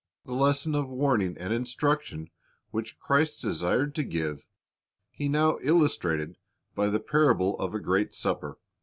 The lesson of warning and instruction which Christ desired to give. He now illustrated by the parable of a great supper.